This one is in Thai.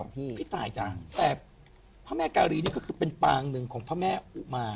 พี่พี่ตายจังแต่พระแม่การีนี่ก็คือเป็นปางหนึ่งของพระแม่อุมา